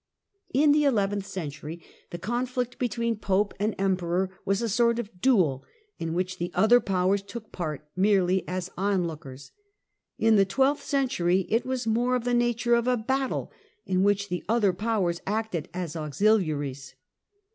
In the eleventh century the conflict between Pope and Emperor was a sort of duel, in which the other powers took part merely as onlookers ; in the twelfth century, it was more of the nature of a battle, in which the other powers acted as auxiliaries.